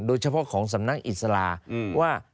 โดยเฉพาะของสำนักอิสลาว่า